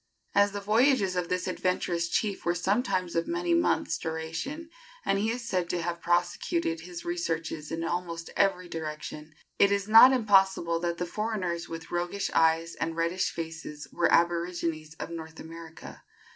As the voyages of this adventurous chief were sometimes of many months' duration, and he is said to have prosecuted his researches in almost every direction, it is not impossible that the foreigners with "roguish eyes and reddish faces" were aborigines of North America.